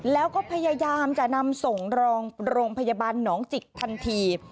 แล้วก็พยายามจะนำส่งรองโรงพยาบาลหนองจิกทันที